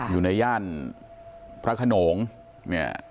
อยู่ในย่านพระขนงเนี่ย